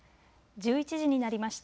１１時になりました。